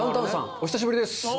お久しぶりです。